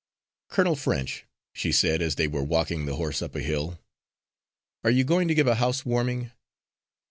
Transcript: "Colonel French," she said as they were walking the horse up a hill, "are you going to give a house warming?"